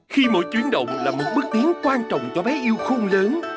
khi mỗi chuyến động là một bước tiến quan trọng cho bé yêu khung lớn